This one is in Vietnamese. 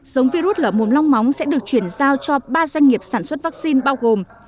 giống virus lở mồm long móng sẽ được chuyển giao cho ba doanh nghiệp sản xuất vaccine bao gồm